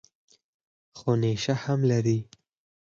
خو نېشه هم لري.